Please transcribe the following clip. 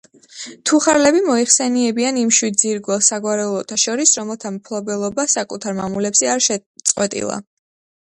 თუხარლები მოიხსენიებიან იმ შვიდ ძირძველ საგვარეულოთა შორის, რომელთა მფლობელობა საკუთარ მამულებზე არ შეწყვეტილა.